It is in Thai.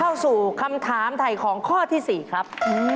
เข้าสู่คำถามถ่ายของข้อที่๔ครับ